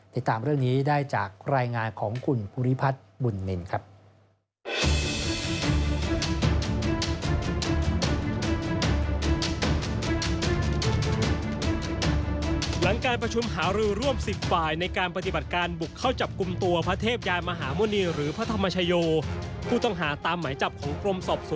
ติดตามเรื่องนี้ได้จากรายงานของคุณภูริพัฒน์บุญนินครับ